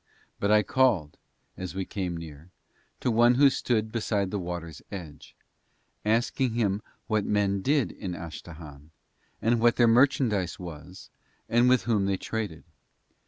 But I called, as we came near, to one who stood beside the water's edge, asking him what men did in Astahahn and what their merchandise was, and with whom they traded.